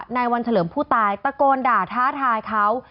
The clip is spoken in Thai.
นายวันเฉลิมผู้ตายตะโกนด่าท้าทายเขา